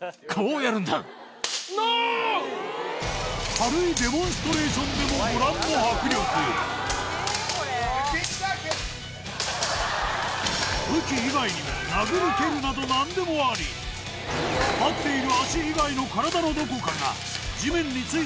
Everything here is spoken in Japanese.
軽いデモンストレーションでもご覧の迫力武器以外にも殴る蹴るなど何でもあり立っている足以外のスゴいな！